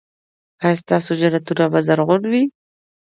ایا ستاسو جنتونه به زرغون وي؟